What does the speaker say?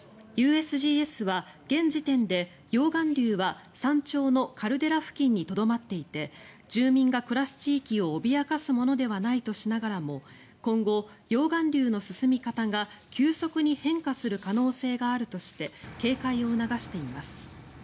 ＵＳＧＳは、現時点で溶岩流は山頂のカルデラ付近にとどまっていて住民が暮らす地域を脅かすものではないとしながらも今後、溶岩流の進み方が急速に変化する可能性があるとして警戒を促しています。